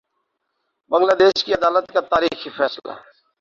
بنگلہ دیش کی عدالت کا تاریخی فیصلہ